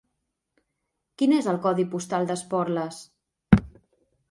Quin és el codi postal d'Esporles?